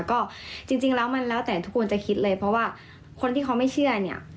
ก็จริงแล้วมันแล้วแต่ทุกคนจะคิดเลยเพราะว่าคนที่เขาไม่เชื่อเนี่ย